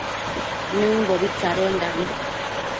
Nëmbobi tsadendabi